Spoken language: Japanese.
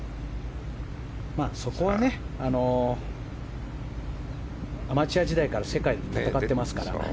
そこはアマチュア時代から世界で戦っていますから。